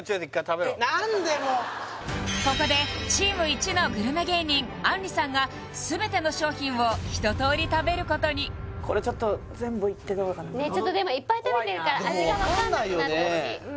もうここでチームいちのグルメ芸人あんりさんが全ての商品をひととおり食べることにこれちょっと全部いってどうかなでもいっぱい食べてるから味が分かんなくなってほしいでも分かんないよね